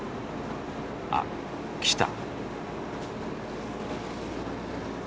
あっ来た。